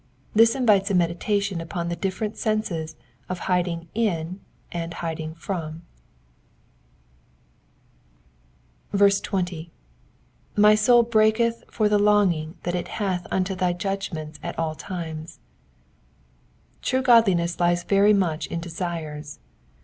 This invites a meditation upon the different senses of hiding in and hiding from, 20. 3tfy sotU Ireaheth for the longing that it hath unto thy judgments at all times,'*^ True godliness lies very much in desires.